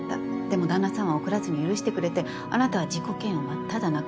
でも旦那さんは怒らずに許してくれてあなたは自己嫌悪真っただ中。